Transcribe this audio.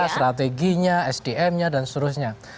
strateginya sdm nya dan seterusnya